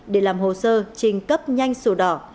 để làm hồ sơ trình cấp nhanh sổ đỏ